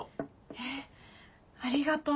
えっありがとう。